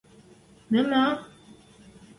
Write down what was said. Мӧмӧ!..